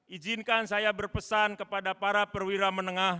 izinkan saya berpesan kepada para perwira menengah